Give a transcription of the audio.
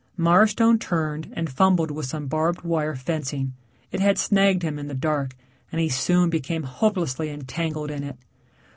Mirestone turned and fumbled with some barbed wire fencing. It had snagged him in the dark, and he soon became hopelessly entangled in it.